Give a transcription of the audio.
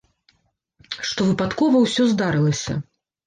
Што выпадкова усё здарылася.